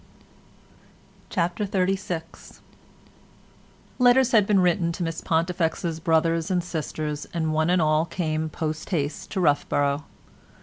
CHAPTER XXXVI Letters had been written to Miss Pontifex's brothers and sisters, and one and all came post haste to Roughborough.